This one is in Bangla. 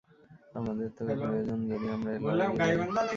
আমাদের তোকে প্রয়োজন, যদি আমরা এ লড়াইয়ে যাই।